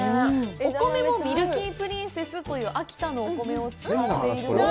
お米もミルキープリンセスという秋田のお米を使っているので。